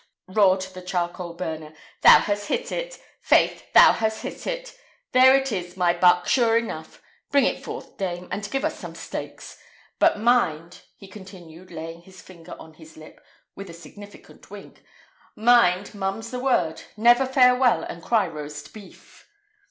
roared the charcoal burner; "thou hast hit it. Faith, thou hast hit it! There it is, my buck, sure enough! Bring it forth, dame, and give us some steaks. But, mind," he continued, laying his finger on his lip, with a significant wink; "mind, mum's the word! never fare well and cry roast beef."